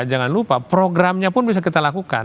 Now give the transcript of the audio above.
jangan lupa programnya pun bisa kita lakukan